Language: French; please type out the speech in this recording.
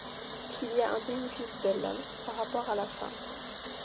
Qu'il y a un bénéfice de l'homme, par rapport à la femme.